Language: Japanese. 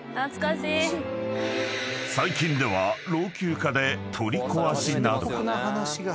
［最近では老朽化で取り壊しなどが］